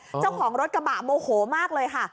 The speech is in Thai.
เจ้าของรถกระบะโมโหมากเลยค่ะ